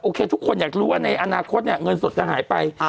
ทุกคนอยากรู้ว่าในอนาคตเนี่ยเงินสดจะหายไป